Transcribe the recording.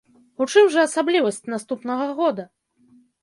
У чым жа асаблівасць наступнага года?